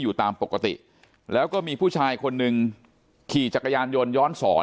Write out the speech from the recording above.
อยู่ตามปกติแล้วก็มีผู้ชายคนหนึ่งขี่จักรยานยนต์ย้อนสอน